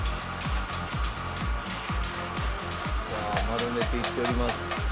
さあ丸めていっております。